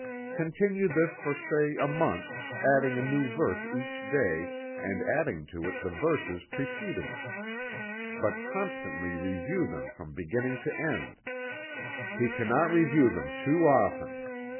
Continue this for say a month, adding a new verse each day and adding it to the verses preceding it. But constantly review them from beginning to end. He cannot review them too often.